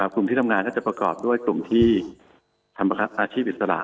กลุ่มที่ทำงานก็จะประกอบด้วยกลุ่มที่ทำอาชีพอิสระ